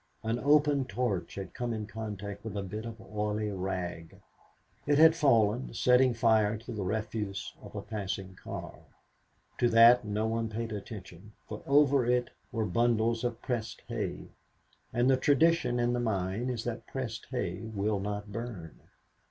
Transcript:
An open torch had come in contact with a bit of oily rag. It had fallen, setting fire to the refuse on a passing car. To that no one paid attention, for over it were bundles of pressed hay; and the tradition in the mine is that pressed hay will not burn.